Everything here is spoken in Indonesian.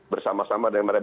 bersama sama dengan mereka